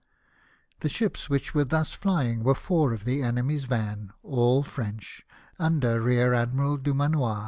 The ships which were thus flying Avere four of the enemy's van, all French, under Rear Admiral Dumanoir.